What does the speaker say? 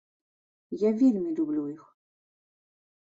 Я вельмі люблю іх!